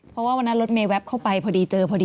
เพราะว่าวันนั้นรถเมย์แวบเข้าไปพอดีเจอพอดี